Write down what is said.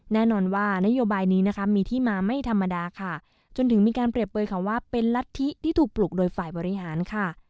แน่นอนว่านโยบายนี้นะคะมีที่มาไม่ธรรมดาค่ะจนถึงมีการเปรียบเปลยคำว่าเป็นรัฐธิที่ถูกปลุกโดยฝ่ายบริหารค่ะ